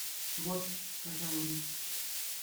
– Вот, – сказал он.